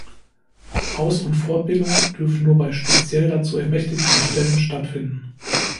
Aus- und Fortbildung dürfen nur bei speziell dazu ermächtigten Stellen stattfinden.